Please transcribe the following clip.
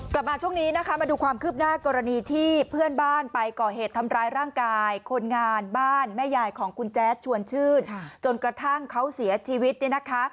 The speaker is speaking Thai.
กลับมาช่วงนี้นะคะมาดูความคืบหน้ากรณีที่เพื่อนบ้านไปก่อเหตุทำร้ายร่างกายคนงานบ้านแม่ยายของคุณแจ๊ดชวนชื่นจนกระทั่งเขาเสียชีวิตเนี่ยนะคะ